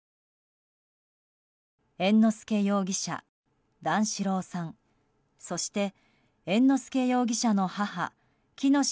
猿之助容疑者、段四郎さんそして猿之助容疑者の母喜熨斗